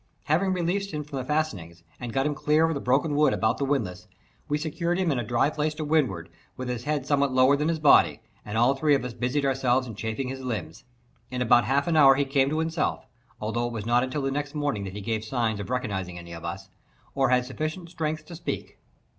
Having relieved him from the fastenings, and got him clear of the broken wood about the windlass, we secured him in a dry place to windward, with his head somewhat lower than his body, and all three of us busied ourselves in chafing his limbs. In about half an hour he came to himself, although it was not until the next morning that he gave signs of recognizing any of us, or had sufficient strength to speak.